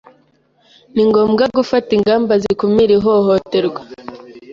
” Ni ngomwa gufata ingama zikumira ihohoterwa